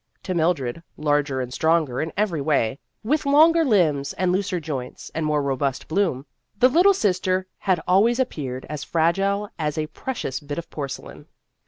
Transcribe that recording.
To Mildred, larger and stronger in every way, with longer limbs and looser joints and more robust bloom, the little sister had always appeared as fragile as a pre cious bit of porcelain.